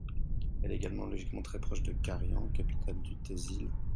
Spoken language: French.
Elle est également logiquement très proche de Kharian, capitale du tehsil.